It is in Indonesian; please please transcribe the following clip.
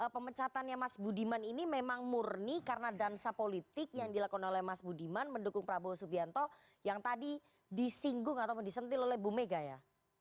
pemecatannya mas budiman ini memang murni karena dansa politik yang dilakukan oleh mas budiman mendukung prabowo subianto yang tadi disinggung atau disentil oleh bu mega ya